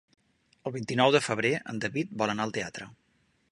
El vint-i-nou de febrer en David vol anar al teatre.